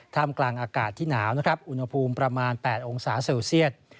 กลางอากาศที่หนาวนะครับอุณหภูมิประมาณ๘องศาเซลเซียต